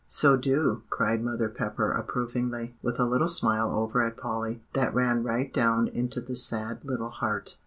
"So do," cried mother Pepper approvingly, with a little smile over at Polly, that ran right down into the sad little heart.